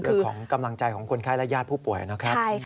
คือของกำลังใจของคนไข้และญาติผู้ป่วยนะครับ